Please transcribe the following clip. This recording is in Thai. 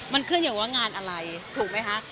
มันเครื่องอย่างว่างานอะไรถูกมั้ยคะ